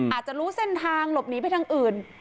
อาจจะรู้เส้นทางหลบหนีไปทางอื่น